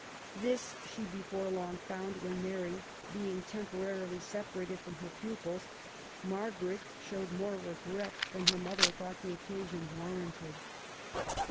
This she before long found when, Mary being temporarily separated from her pupils, Margaret showed more regret than her mother thought the occasion warranted.